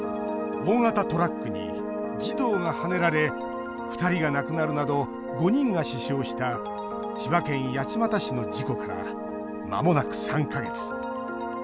大型トラックに児童がはねられ２人が亡くなるなど５人が死傷した千葉県八街市の事故からまもなく３か月。